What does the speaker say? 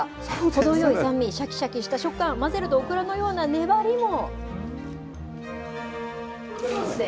程よい酸味、しゃきしゃきした食感、かき混ぜるとオクラのような粘りも。